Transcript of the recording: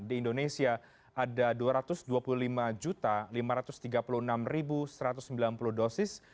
di indonesia ada dua ratus dua puluh lima lima ratus tiga puluh enam satu ratus sembilan puluh dosis